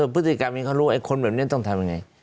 พฤติกรรมนี้เขารู้ไอ้คนแบบนี้ต้องทำยังไง